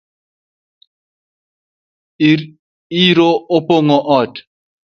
Iro opong’o ot